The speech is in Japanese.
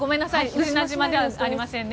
宇品島ではありませんね。